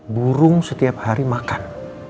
burung setiap hari makan